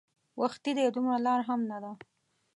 وختي دی دومره لار هم نه ده.